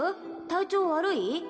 体調悪い？